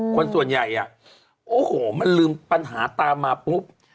คนส่วนใหญ่โอ้โหมันลืมปัญหาตามมาปุ๊บ